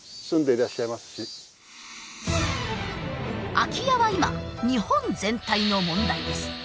空き家は今日本全体の問題です。